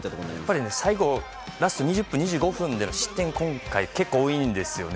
やっぱり最後、ラスト２０分２５分での失点が今回多いんですよね。